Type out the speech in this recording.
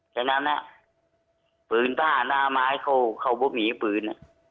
ฉะนั้นน่ะฝืนผ้าหน้าไม้เขาไม่มีฝืน